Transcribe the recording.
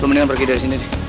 lu mendingan pergi dari sini deh